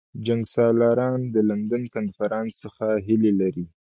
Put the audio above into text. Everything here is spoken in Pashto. جنګسالاران د لندن کنفرانس څخه هیلې لري.